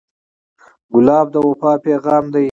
ګلاب د وفا پیغام دی.